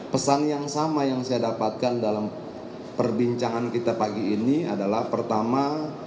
pesan yang sama yang saya dapatkan dalam perbincangan kita pagi ini adalah pertama